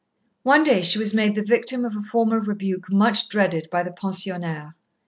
One day she was made the victim of a form of rebuke much dreaded by the pensionnaires.